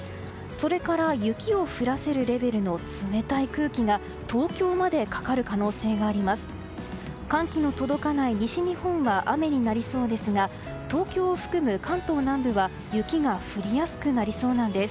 それから雪を降らせるレベルの冷たい空気が東京までかかる可能性があります。